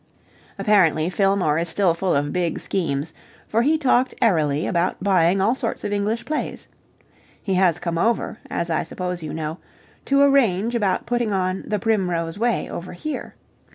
Apparently Fillmore is still full of big schemes, for he talked airily about buying all sorts of English plays. He has come over, as I suppose you know, to arrange about putting on "The Primrose Way" over here.